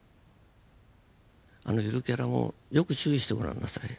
あのゆるキャラもよく注意してご覧なさい。